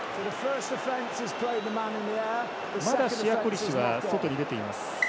まだシヤ・コリシは外に出ています。